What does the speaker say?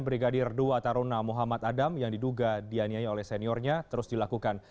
brigadir dua taruna muhammad adam yang diduga dianiaya oleh seniornya terus dilakukan